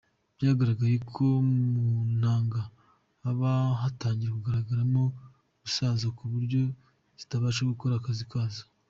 Byagaragaye ko mu ntanga haba hatangiye kugaragaramo gusaza ku buryo zitabasha gukora akazi kazo.